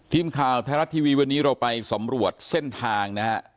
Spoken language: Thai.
ทีมข่าวไทยรัฐทีวีวันนี้เราไปสำรวจเส้นทางนะฮะ